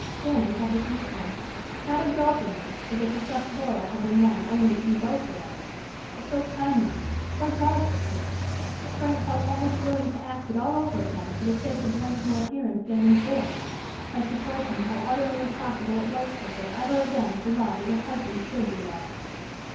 Fanny had refused him; not exultingly, as if a fresh laurel had been won only to be boasted of, but so kindly, so delicately, that Frank felt almost willing to act it all over again for the sake of once more hearing Fanny's voice, as she told him how utterly impossible it was for her ever again to love as a husband should be loved.